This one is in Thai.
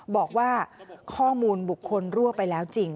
บอกว่าข้อมูลบุคคลรั่วไปแล้วจริง